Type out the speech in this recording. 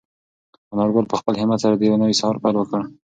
انارګل په خپل همت سره د یو نوي سهار پیل وکړ.